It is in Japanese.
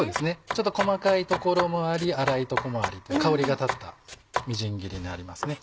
ちょっと細かいところもあり粗いところもありと香りが立ったみじん切りになりますね。